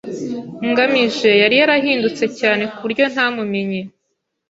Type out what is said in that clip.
ngamije yari yarahindutse cyane kuburyo ntamumenye.